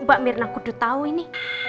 oh mbak mirna aku udah tau ini